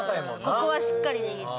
ここはしっかり握って。